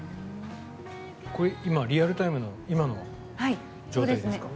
リアルタイムの今の状態ですか。